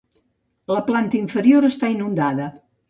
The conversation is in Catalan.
La planta inferior està inundada.